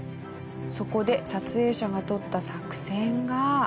そこで撮影者が取った作戦が。